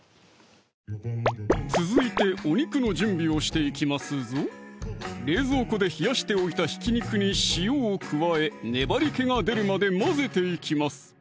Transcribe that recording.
続いてお肉の準備をしていきますぞ冷蔵庫で冷やしておいたひき肉に塩を加え粘りけが出るまで混ぜていきます